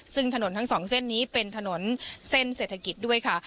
ซึ่งถนนทั้งสองเส้นนี้เป็นถนนเส้นเศรษฐกิจด้วยค่ะ